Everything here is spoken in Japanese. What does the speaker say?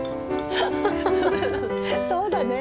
そうだね。